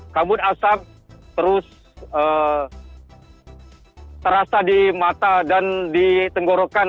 kabut asap terus terasa di mata dan ditenggorokan